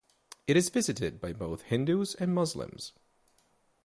It is visited by both Hindus and Muslims.